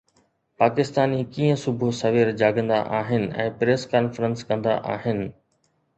پاڪستاني ڪيئن صبح سوير جاڳندا آهن ۽ پريس ڪانفرنس ڪندا آهن